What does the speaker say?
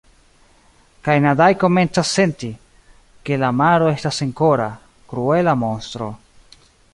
“Kaj Nadai komencas senti, ke la maro estas senkora, kruela monstro...